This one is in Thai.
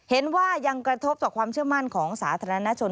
ยังกระทบต่อความเชื่อมั่นของสาธารณชน